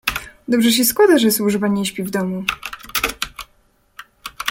"Dobrze się składa, że służba nie śpi w domu."